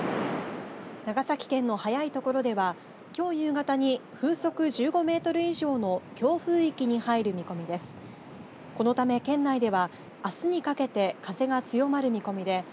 長崎県の早い所ではきょう夕方に風速１５メートル以上の強風域に入る見込みです。